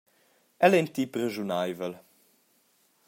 El ei in tip raschuneivel.